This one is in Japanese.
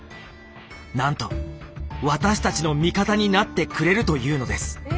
なんと私たちの味方になってくれるというのです。